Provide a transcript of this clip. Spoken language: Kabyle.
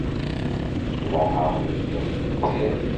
Sraḥeɣ deg-sen setti.